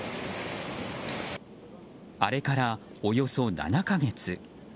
あれからおよそ７か月。